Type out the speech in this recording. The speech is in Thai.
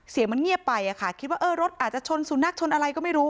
เสียงมันเงียบไปอะค่ะคิดว่าเออรถอาจจะชนสุนัขชนอะไรก็ไม่รู้